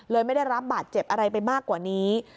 ไม่ได้รับบาดเจ็บอะไรไปมากกว่านี้